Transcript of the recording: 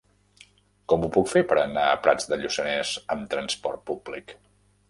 Com ho puc fer per anar a Prats de Lluçanès amb trasport públic?